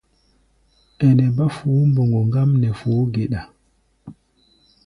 Ɛnɛ bá fuú-mboŋgo ŋgám nɛ fuú-geɗa.